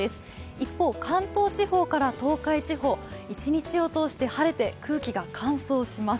一方、関東地方から東海地方、一日を通して晴れて空気が乾燥します。